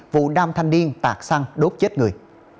vụ nam thanh niên tạc xăng đốt chết người